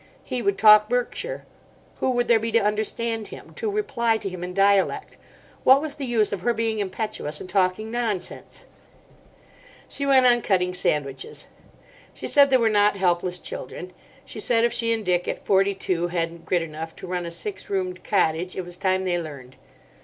He would talk Berkshire. Who would there be to understand him—to reply to him in dialect? What was the use of her being impetuous and talking nonsense? She went on cutting sandwiches. She said they were not helpless children. She said if she and Dick at forty two hadn't grit enough to run a six roomed cottage it was time they learned.